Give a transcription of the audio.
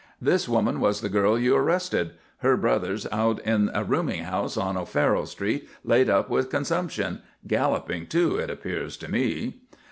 "This woman was the girl you arrested. Her brother's out in a rooming house on O'Farrell Street, laid up with consumption galloping, too, it appears to me."